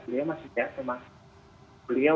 beliau masih lihat memang beliau